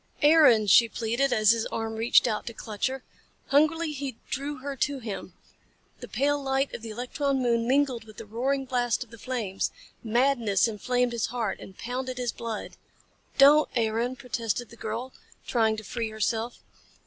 "Aaron!" she pleaded as his arm reached out to clutch her. Hungrily he drew her to him. The pale light of the electron moon mingled with the roaring blast of the flames. Madness inflamed his heart and pounded his blood. "Don't, Aaron," protested the girl, trying to free herself.